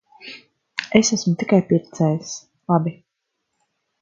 Es esmu tikai pircējs. Labi.